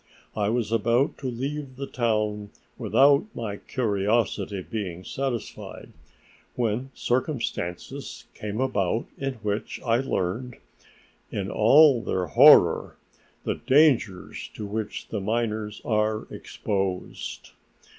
I was about to leave the town without my curiosity being satisfied when circumstances came about in which I learned, in all their horror, the dangers to which the miners are exposed.